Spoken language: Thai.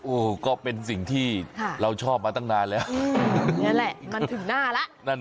โอ้โหก็เป็นสิ่งที่เราชอบมาตั้งนานแล้วนี่แหละมันถึงหน้าแล้ว